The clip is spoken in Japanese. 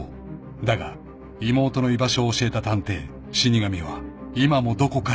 ［だが妹の居場所を教えた探偵死神は今もどこかにいる］